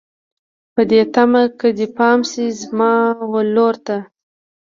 په دې تمه که دې پام شي زما ولور ته